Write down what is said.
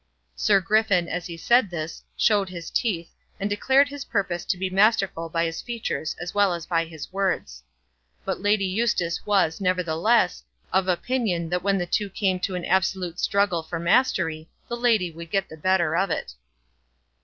Sir Griffin, as he said this, showed his teeth, and declared his purpose to be masterful by his features as well as by his words; but Lady Eustace was, nevertheless, of opinion that when the two came to an absolute struggle for mastery, the lady would get the better of it.